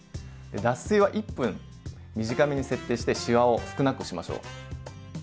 脱水は１分短めに設定してしわを少なくしましょう。